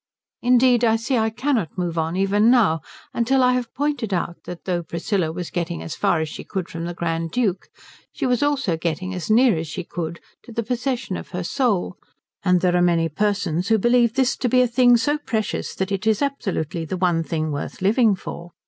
Indeed I see I cannot move on even now till I have pointed out that though Priscilla was getting as far as she could from the Grand Duke she was also getting as near as she could to the possession of her soul; and there are many persons who believe this to be a thing so precious that it is absolutely the one thing worth living for.